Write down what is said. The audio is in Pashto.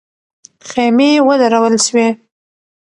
خېمې ودرول سوې.